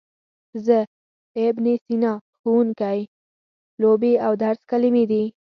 زه، ابن سینا، ښوونکی، لوبې او درس کلمې دي.